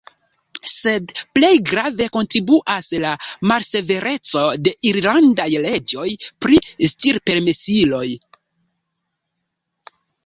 Sed plej grave kontribuas la malsevereco de irlandaj leĝoj pri stirpermesiloj.